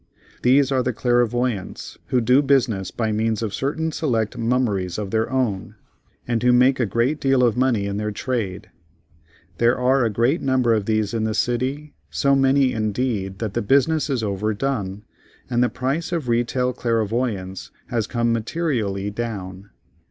These are the "Clairvoyants," who do business by means of certain select mummeries of their own, and who make a great deal of money in their trade. There are a great number of these in the city, so many indeed that the business is over done, and the price of retail clairvoyance has come materially down.